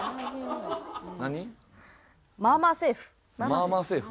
まーまーセーフ。